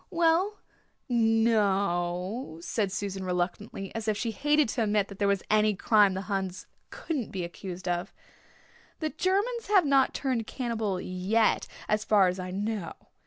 "Well, no o o," said Susan reluctantly, as if she hated to admit that there was any crime the Huns couldn't be accused of. "The Germans have not turned cannibal yet as far as I know.